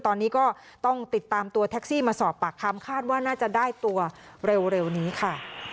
ตอนนี้ก็ต้องติดตามตัวแท็กซี่มาสอบปากคำคาดว่าน่าจะได้ตัวเร็วนี้ค่ะ